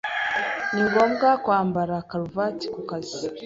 Ningomba kwambara karuvati kukazi?